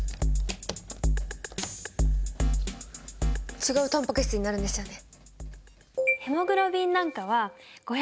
違うタンパク質になるんですよね。